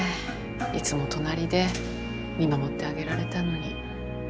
いつも隣で見守ってあげられたのに。